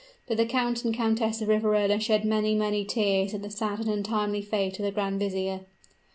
But the Count and Countess of Riverola shed many, many tears at the sad and untimely fate of the grand vizier.